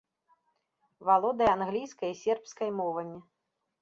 Валодае англійскай і сербскай мовамі.